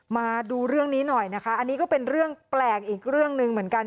มาดูเรื่องนี้หน่อยนะคะอันนี้ก็เป็นเรื่องแปลกอีกเรื่องหนึ่งเหมือนกัน